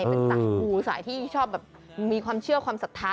เป็นสายมูสายที่ชอบแบบมีความเชื่อความศรัทธา